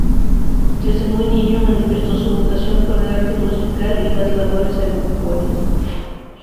Desde muy niño manifestó su vocación por el arte musical y las labores agropecuarias.